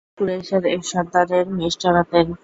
কুরাইশের এক সর্দারের মেষ চরাতেন।